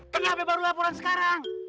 kenapa baru laporan sekarang